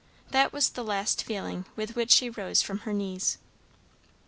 That was the last feeling with which she rose from her knees.